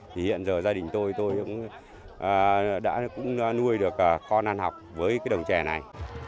thì hiện giờ gia đình tôi cũng nuôi được con ăn học với đồng chè này